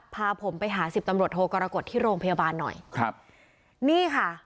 พาผมไปหาสิบตำรวจโทกรกฎที่โรงพยาบาลหน่อยครับนี่ค่ะ